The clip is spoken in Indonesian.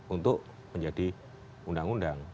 untuk menjadi undang undang